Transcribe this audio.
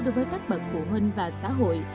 đối với các bậc phụ huynh và xã hội